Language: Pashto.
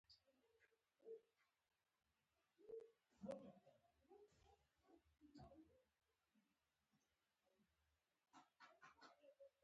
د دوی موټرو حرکت وکړ او له نظره پناه شول